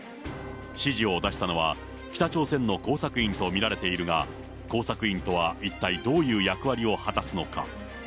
指示を出したのは、北朝鮮の工作員と見られているが、工作員とは一体どういう役割を果たすのか。